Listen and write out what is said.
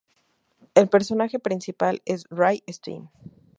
El personaje principal es Ray Steam.